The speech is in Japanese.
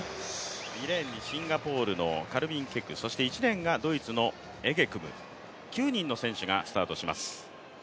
２レーンにシンガポールのカルビンケク、そして１レーンがドイツのエゲクム９人の選手がスタートします。